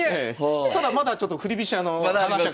ただまだちょっと振り飛車の方。